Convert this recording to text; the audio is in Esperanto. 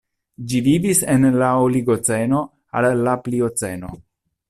Ĝi vivis el la Oligoceno al la Plioceno.